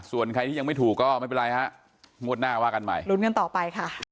ส่วนใครที่ยังไม่ถูกก็ไม่เป็นไรฮะงวดหน้าว่ากันใหม่ลุ้นกันต่อไปค่ะ